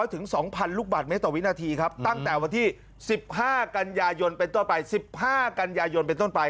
๑๘๐๐ถึง๒๐๐๐ลูกบาทเมตรวินาทีครับตั้งแต่วันที่๑๕กันยายนเป็นต้นไป